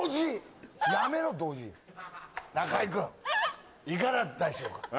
中居くんいかがだったでしょうか？